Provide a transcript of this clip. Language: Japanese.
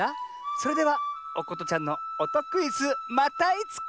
それではおことちゃんのおとクイズまたいつか！